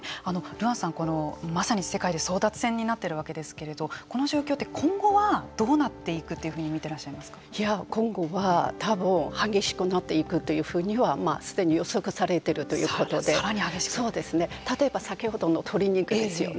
阮さん、まさに世界で争奪戦になっているわけですけれどもこの状況って今後はどうなっていくというふうに今後は多分激しくなっていくというふうにはすでに予測されてるということで例えば先ほどの鶏肉ですよね。